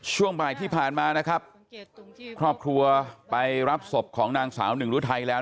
ช่วงบ่ายที่ผ่านมานะครับครอบครัวไปรับศพของนางสาวหนึ่งรุทัยแล้ว